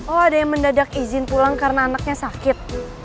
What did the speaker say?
oh ada yang mendadak izin pulang karena anaknya sakit